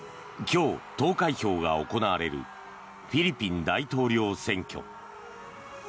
今日、投開票が行われるフィリピン大統領選挙。